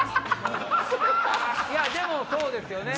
でもそうですよね。